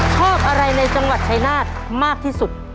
ชอบอะไรในจังหวัดชายนาฏมากที่สุด